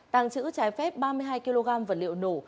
tàng trữ trái phép ba mươi hai kg vật liệu nổ